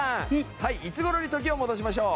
はいいつ頃に時を戻しましょう？